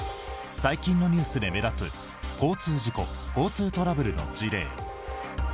最近のニュースで目立つ交通事故、交通トラブルの事例。